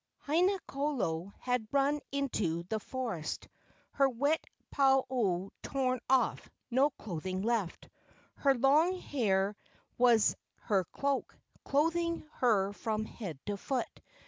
Haina kolo had run into the forest, her wet pa u torn off, no clothing left. Her long hair was her cloak, clothing her from head to foot.